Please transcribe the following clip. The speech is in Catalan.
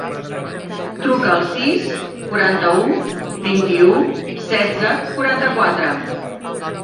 Truca al sis, quaranta-u, vint-i-u, setze, quaranta-quatre.